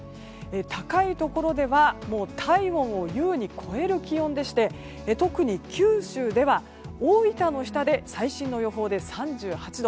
高いところでは、もう体温を優に超える気温でして特に九州では大分の日田で最新の予報で３８度。